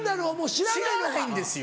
知らないんですよ。